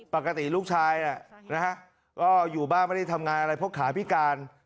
ปกติลูกชายก็อยู่บ้านไม่ได้ทำงานอะไรเพราะขาพิการ